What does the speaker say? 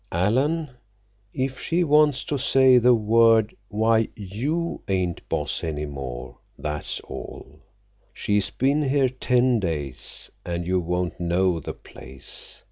"Alan, if she wants to say the word, why, you ain't boss any more, that's all. She's been there ten days, and you won't know the place.